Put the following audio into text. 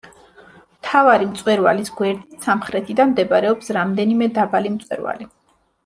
მთავარი მწვერვალის გვერდით, სამხრეთიდან მდებარეობს რამდენიმე დაბალი მწვერვალი.